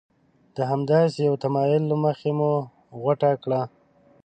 د همداسې یوه تمایل له مخې مو غوټه کړه.